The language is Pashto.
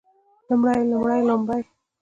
لومړی لومړۍ ړومبی